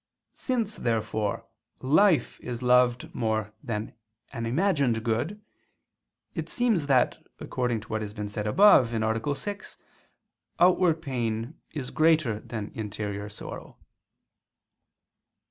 Since, therefore, life is loved more than an imagined good, it seems that, according to what has been said above (A. 6), outward pain is greater than interior sorrow.